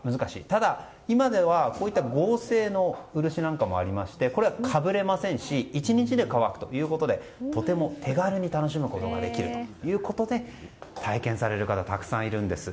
ただ、今ではこうした合成のウルシなんかもありましてこれはかぶれませんし１日で乾くということでとても手軽に楽しむことができるということで体験される方がたくさんいるんです。